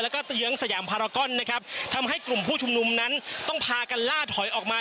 แล้วก็เตื้องสยามพารากอนนะครับทำให้กลุ่มผู้ชุมนุมนั้นต้องพากันล่าถอยออกมา